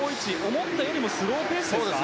思ったよりもスローペースですか。